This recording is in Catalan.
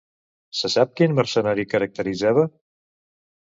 Se sap quin mercenari caracteritzava?